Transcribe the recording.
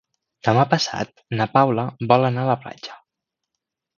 Demà passat na Paula vol anar a la platja.